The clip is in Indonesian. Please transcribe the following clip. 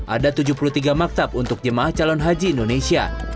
ada tujuh puluh tiga maktab untuk jemaah calon haji indonesia